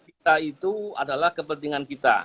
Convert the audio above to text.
kita itu adalah kepentingan kita